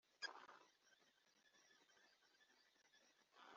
bibona batukana batumvira ababyeyi